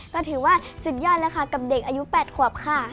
ก็ถือว่าสุดยอดแล้วค่ะกับเด็กอายุ๘ขวบค่ะ